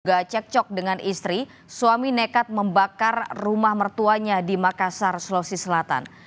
ketika cekcok dengan istri suami nekat membakar rumah mertuanya di makassar sulawesi selatan